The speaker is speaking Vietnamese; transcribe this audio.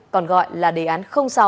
còn gọi là đề án sáu